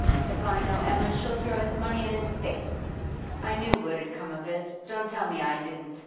If I know Emma, she'll throw his money in his face. I knew what 'ud come of it, don't tell me I didn't.